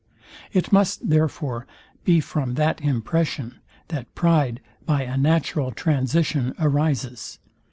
It must, therefore, be from that impression, that pride by a natural transition arises.